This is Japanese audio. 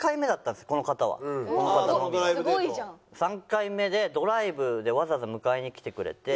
３回目でドライブでわざわざ迎えに来てくれて。